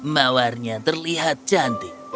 mawarnya terlihat cantik